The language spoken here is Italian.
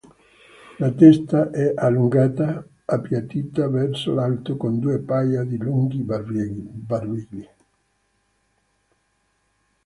La testa è allungata, appiattita verso l'alto, con due paia di lunghi barbigli.